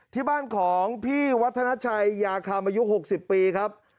ที่บ้านของพี่วัฒนาชัยยาคามอายุ๖๐ปีครับ